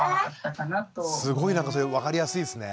すごいなんかそれ分かりやすいですね。